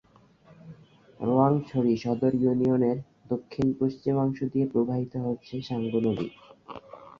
রোয়াংছড়ি সদর ইউনিয়নের দক্ষিণ-পশ্চিমাংশ দিয়ে প্রবাহিত হচ্ছে সাঙ্গু নদী।